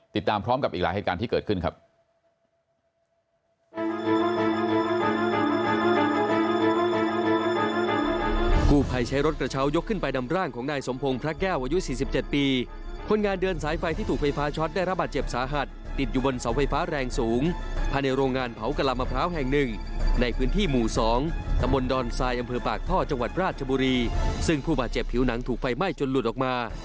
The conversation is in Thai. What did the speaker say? ติดตามพร้อมกับอีกหลายเหตุการณ์ที่เกิดขึ้นครับ